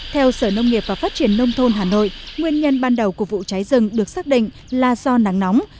theo sở nông nghiệp và phát triển nông thôn hà nội nguyên nhân ban đầu của vụ cháy rừng được xác định là do nắng nóng